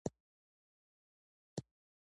هدف دې هېڅکله مه بدلوه دا سمه لار ده.